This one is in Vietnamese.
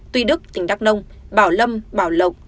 tuy đức tỉnh đắc nông bảo lâm bảo lộc